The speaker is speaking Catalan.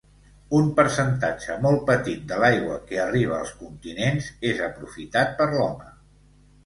Un percentatge molt petit de l'aigua que arriba als continents és aprofitat per l'home.